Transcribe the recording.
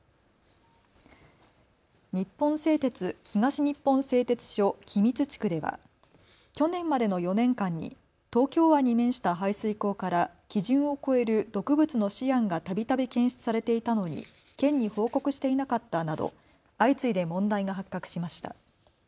日本製鉄東日本製鉄所君津地区では去年までの４年間に東京湾に面した排水口から基準を超える毒物のシアンがたびたび検出されていたのに県に報告していなかったなど相次いで問題が発覚しました。